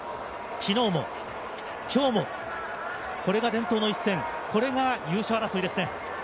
昨日も今日もこれが伝統の一戦、優勝争いですね。